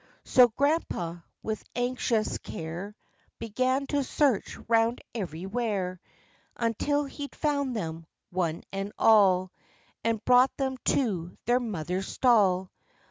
So grandpapa, with anxious care, Began to search round every where, Until he'd found them, one and all, And brought them to their mothers' stall.